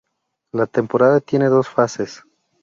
La temporada tiene dos fases.